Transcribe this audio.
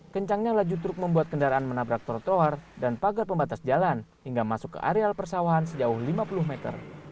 kencangnya laju truk membuat kendaraan menabrak trotoar dan pagar pembatas jalan hingga masuk ke areal persawahan sejauh lima puluh meter